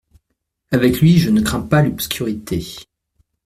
Avec lui, je ne crains pas l'obscurité.